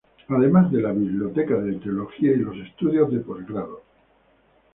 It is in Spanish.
Además de las bibliotecas de teología y los estudios de posgrado.